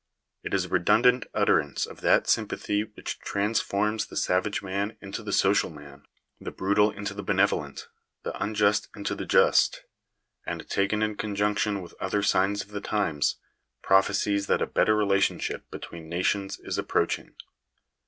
It is a redundant utterance of that sympathy which transforms the savage man into the social man, the brutal into the benevolent, the unjust into the just ; and, taken in con junction with other signs of the times, prophesies that a better relationship between nations is approaching.